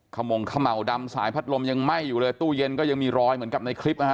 ขมงเขม่าวดำสายพัดลมยังไหม้อยู่เลยตู้เย็นก็ยังมีรอยเหมือนกับในคลิปนะฮะ